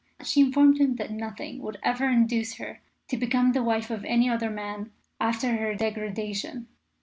She informed him that nothing would ever induce her to become the wife of any other man after her degradation.